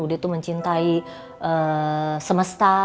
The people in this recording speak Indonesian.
dia tuh mencintai semesta